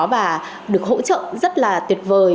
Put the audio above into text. là được hỗ trợ rất là tuyệt vời